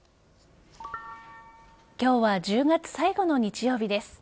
今日は１０月最後の日曜日です。